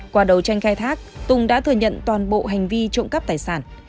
qua đầu tranh khai thác tùng đã thừa nhận toàn bộ hành vi trộm cắp tài sản